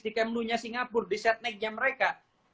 di kemluhnya singapura di setneck nya mereka